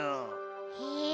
へえ。